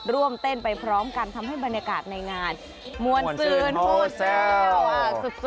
ร่วมเต้นไปพร้อมกันทำให้บรรยากาศในงานมวลซืนพูดเซี่ยวสุด